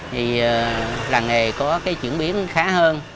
thì làng nghề có chuyển biến khá hơn